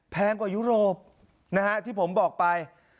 แพงกว่ายุโรปนะฮะที่ผมบอกไป